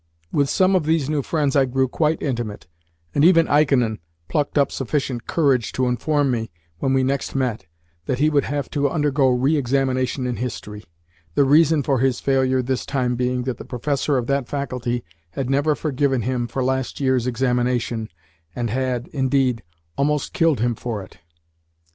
With some of these new friends I grew quite intimate, and even Ikonin plucked up sufficient courage to inform me, when we next met, that he would have to undergo re examination in history the reason for his failure this time being that the professor of that faculty had never forgiven him for last year's examination, and had, indeed, "almost killed" him for it.